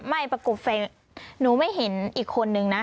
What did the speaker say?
ประกบแฟนหนูไม่เห็นอีกคนนึงนะ